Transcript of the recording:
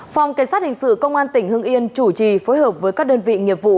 phòng cảnh sát hình sự công an tỉnh hưng yên chủ trì phối hợp với các đơn vị nghiệp vụ